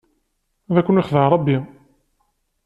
Ad ken-ixdeɛ Ṛebbi.